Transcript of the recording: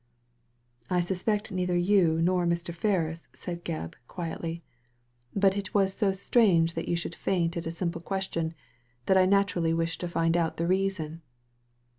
" I suspect neither you nor Mr. Ferris," said Gebb, quietly ; "but it was so strange that you should faint at a simple question, that I naturally wished to find out the reason."